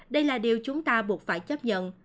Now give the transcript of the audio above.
đây là điều chúng ta buộc phải chấp nhận